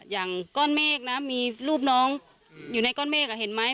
อย่างก้อนเมฆนะมีรูปน้องอยู่ในก้อนเมฆเห็นไหม